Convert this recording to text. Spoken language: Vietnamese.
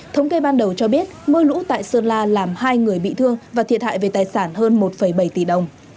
thống kê ban đầu cho biết mưa lũ tại sơn la làm hai người bị thương và thiệt hại về tài sản hơn một bảy tỷ đồng